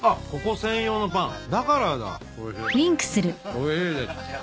おいしいです。